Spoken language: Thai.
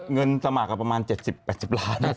เงินสมัครประมาณ๗๐๘๐ล้าน